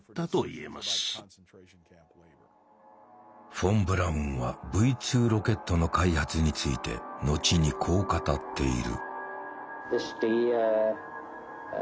フォン・ブラウンはＶ２ロケットの開発について後にこう語っている。